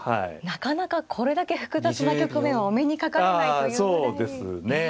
なかなかこれだけ複雑な局面はお目にかかれないというぐらい。